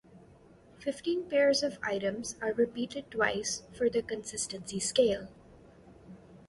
Fifteen pairs of items are repeated twice for the consistency scale.